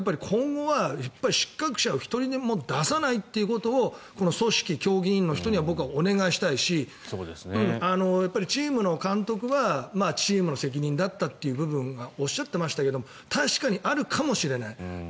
今後は失格者を１人も出さないということを組織、競技委員の人には僕はお願いしたいしやっぱりチームの監督はチームの責任だったという部分はおっしゃっていましたが確かにあるかもしれない。